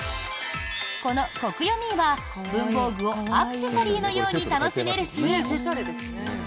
このＫＯＫＵＹＯＭＥは文房具をアクセサリーのように楽しめるシリーズ。